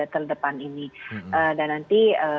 terdepan ini dan nanti